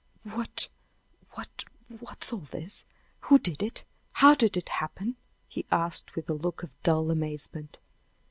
"What what what's all this? Who did it? How did it happen?" he asked, with a look of dull amazement.